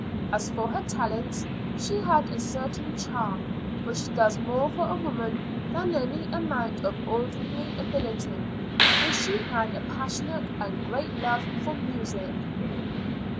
As for her talents, she had a certain charm which does more for a woman than any amount of ordinary ability; and she had a passionate and great love for music.